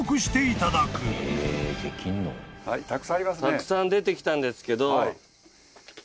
たくさん出てきたんですけど。